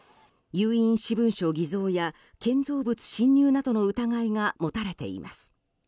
有印私文書偽造や建造物侵入などの疑いが持たれています。